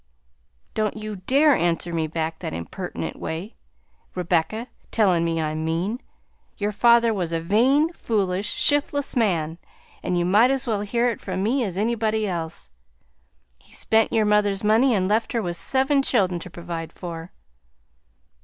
"Don't you dare answer me back that imperdent way, Rebecca, tellin' me I'm mean; your father was a vain, foolish, shiftless man, an' you might as well hear it from me as anybody else; he spent your mother's money and left her with seven children to provide for."